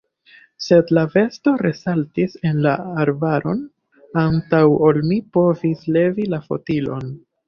Sed la besto resaltis en la arbaron, antaŭ ol mi povis levi la fotilon.